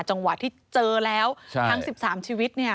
จังหวะที่เจอแล้วทั้ง๑๓ชีวิตเนี่ย